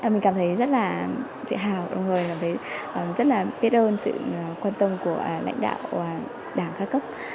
mình cảm thấy rất là dễ hào rất là biết ơn sự quan tâm của lãnh đạo và đảng khá cấp